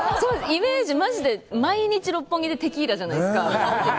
イメージは毎日、六本木でテキーラじゃないですか。